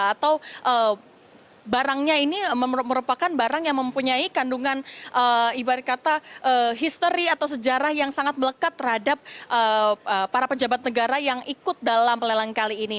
atau barangnya ini merupakan barang yang mempunyai kandungan ibarat kata histori atau sejarah yang sangat melekat terhadap para pejabat negara yang ikut dalam lelang kali ini